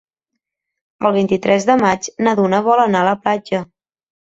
El vint-i-tres de maig na Duna vol anar a la platja.